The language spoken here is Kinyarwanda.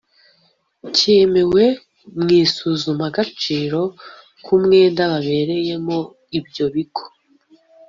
cyemewe mu isuzumagaciro k umwenda ba bereyemo ibyo bigo